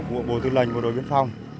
của bộ tư lệnh bộ đội biên phòng